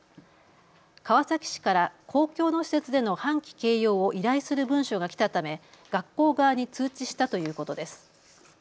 川崎市から公共の施設での半旗掲揚を依頼する文書が来たため学校側に通知したということです。